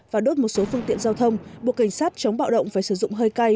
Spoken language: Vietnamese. và đốt một số phương tiện giao thông buộc cảnh sát chống bạo động phải sử dụng hơi cay